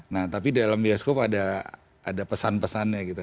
nah tapi dalam bioskop ada pesan pesannya gitu